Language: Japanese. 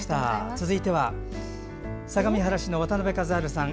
続いては、相模原市の渡邊一春さん。